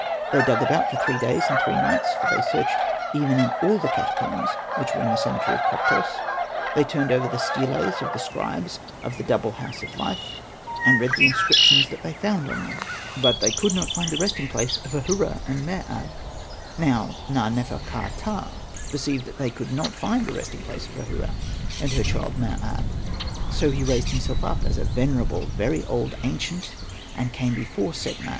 They dug about for three days and three nights, for they searched even in all the catacombs which were in the cemetery of Koptos ; they turned over the steles of the scribes of the " double house of life," and read the inscriptions that they found on them. But Hosted by Google SETNA AND THE MAGIC BOOK 117 they could not find the resting place of Ahura and Mer ab. Now Na.nefer.ka.ptah perceived that they could not find the resting place of Ahura and her child Mer ab. So he raised himself up as a venerable, very old, ancient, and came before Setna.